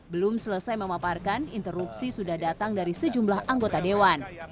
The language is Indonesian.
belum selesai memaparkan interupsi sudah datang dari sejumlah anggota dewan